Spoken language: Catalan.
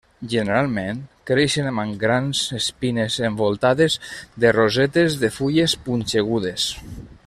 Generalment creixen amb grans espines envoltades de rosetes de fulles punxegudes.